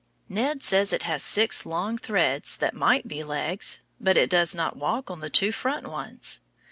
Ned says it has six long threads that might be legs, but it does not walk on the two front ones.